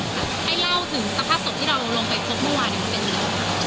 ให้เล่าถึงสภาพศพที่เราลงไปพบเมื่อวานมันเป็นยังไงบ้าง